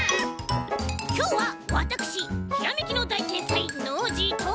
きょうはわたくしひらめきのだいてんさいノージーと！